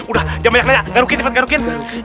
udah jangan banyak nanya garukin tempat garukin